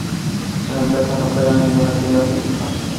La empresa no opera ninguna tienda física.